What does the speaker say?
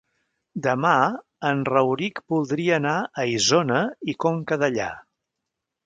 Demà en Rauric voldria anar a Isona i Conca Dellà.